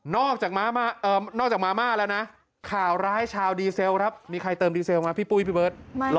นอกจากมาม่าแล้วนะข่าวร้ายชาวดีเซลครับมีใครเติมดีเซลมาพี่ปุ้ยพี่เบิร์ต